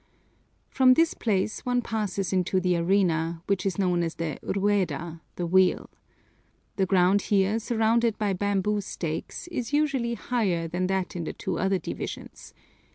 From this place one passes into the arena, which is known as the Rueda, the wheel. The ground here, surrounded by bamboo stakes, is usually higher than that in the two other divisions.